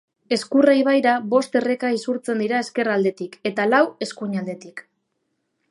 Ezkurra ibaira bost erreka isurtzen dira ezkerraldetik, eta lau eskuinaldetik.